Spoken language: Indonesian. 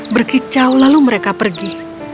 berkicau lalu mereka pergi